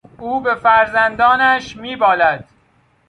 او به فرزندانش میبالد.